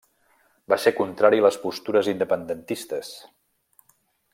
Va ser contrari a les postures independentistes.